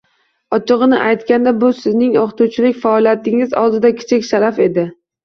Ochig'ini aytganda, bu sizning o'qituvchilik faoliyatingiz oldida kichik sharaf edi